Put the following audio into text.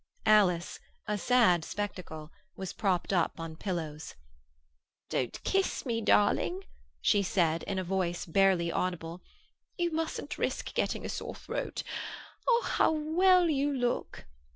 Alice—a sad spectacle—was propped up on pillows. "Don't kiss me, darling," she said, in a voice barely audible. "You mustn't risk getting a sore throat. How well you look!"